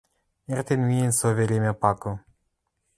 Эртен миэн со веремӓ пакы